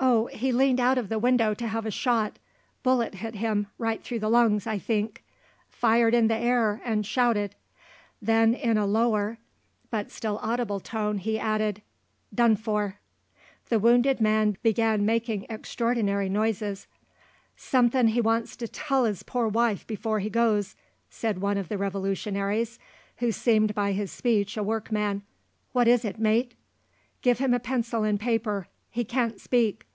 "Oh, he leaned out of the window to have a shot, bullet hit him, right through the lungs, I think, fired in the air, and shouted." Then in a lower but still audible tone he added, "Done for!" The wounded man began making extraordinary noises. "Su'thin' he wants to tell 'is pore wife before he goes," said one of the Revolutionaries, who seemed by his speech a workman. "What is it, mate?" "Give him a pencil and paper; he can't speak."